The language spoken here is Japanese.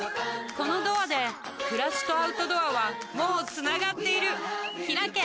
このドアで暮らしとアウトドアはもうつながっているひらけ